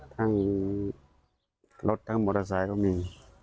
ทั้งรถทั้งมอเตอร์ไซค์ก็มี